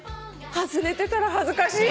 外れてたら恥ずかしい。